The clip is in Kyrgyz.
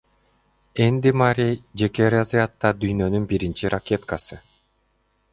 Энди Маррей — жеке разрядда дүйнөнүн биринчи ракеткасы.